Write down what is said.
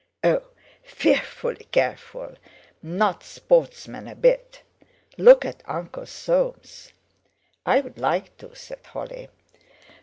"Oh! fearfully careful; not sportsmen a bit. Look at Uncle Soames!" "I'd like to," said Holly.